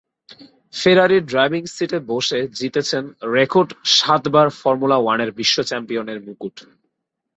ফেরারির driving সিটে বসে জিতেছেন রেকর্ড সাতবার ফর্মুলা ওয়ানের বিশ্ব চ্যাম্পিয়নের মুকুট।